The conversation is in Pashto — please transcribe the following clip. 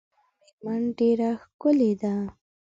زما میرمن ډیره ښکلې ده .